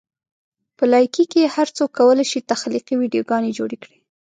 په لایکي کې هر څوک کولی شي تخلیقي ویډیوګانې جوړې کړي.